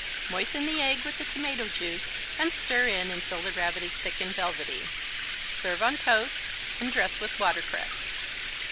Moisten the egg with the tomato juice and stir in until the Rabbit is thick and velvety. Serve on toast and dress with water cress.